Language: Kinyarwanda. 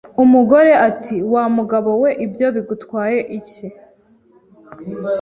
Umugore ati Wa mugabo we ibyo bigutwaye iki